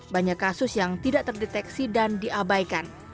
banyak kasus yang tidak terdeteksi dan diabaikan